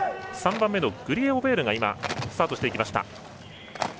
３番目のグリエオベールがスタートしていきました。